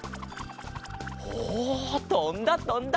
おとんだとんだ！